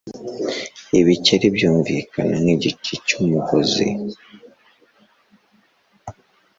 ibikeri byumvikana nkigice cyumugozi